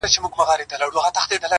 • بل ته پاته سي که زر وي که دولت وي -